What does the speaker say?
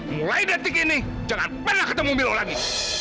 mulai detik ini jangan pernah ketemu beliau lagi